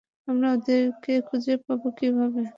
আমরা ওদেরকে খুঁজে পাব কিভাবে?